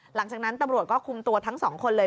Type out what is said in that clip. หลังจากนั้นตำรวจก็คุมตัวทั้งสองคนเลย